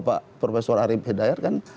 pak profesor arief hidayat kan